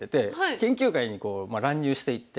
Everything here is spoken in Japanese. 研究会にこう乱入していって。